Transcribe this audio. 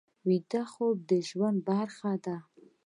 ویده خوب د ژوند برخه ده